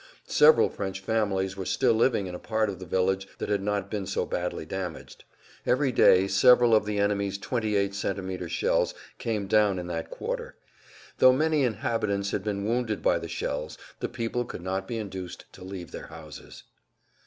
Several French families were still living in a part of the village that had not been so badly damaged. Every day several of the enemy's 28 cm. shells came down in that quarter. Though many inhabitants had been wounded by the shells the people could not be induced to leave their houses.